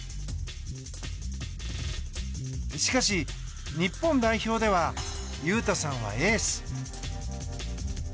しかし、日本代表では雄太さんはエース。